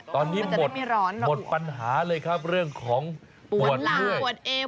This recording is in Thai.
ตอนนี้หมดปัญหาเลยครับเรื่องของปวดเห้ย